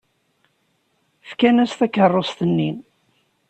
Fkan-as takeṛṛust-nni.